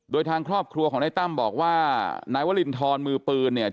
โดยทางครอบครัวของนายตั้มบอกว่านายวรินทรมือปืนเนี่ย